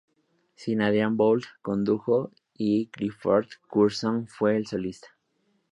Sir Adrian Boult condujo, y Clifford Curzon fue el solista.